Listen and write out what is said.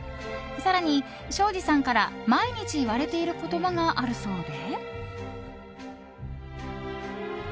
更に庄司さんから毎日言われている言葉があるそうで。